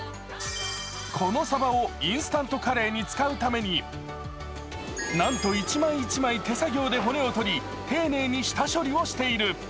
このさばをインスタントカレーに使うためになんと１枚１枚手作業で骨を取り、丁寧に下処理をしている。